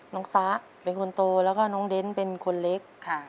ซะเป็นคนโตแล้วก็น้องเด้นเป็นคนเล็ก